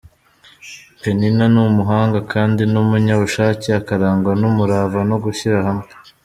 Penina ni umuhanga kandi n'umunyabushake, akarangwa n'umurava no gushyira hamwe.